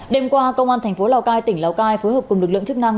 đêm qua công an tp lào cai tỉnh lào cai phối hợp cùng lực lượng chức năng